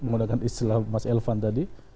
menggunakan istilah mas elvan tadi